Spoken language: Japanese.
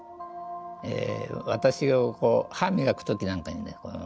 私がこう歯磨く時なんかにね